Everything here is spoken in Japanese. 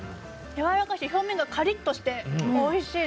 やわらかいし表面がカリッとしておいしいですね。